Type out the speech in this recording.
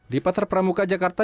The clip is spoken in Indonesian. di pasar pramuka jakarta